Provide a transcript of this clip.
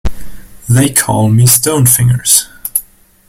They called me stone fingers.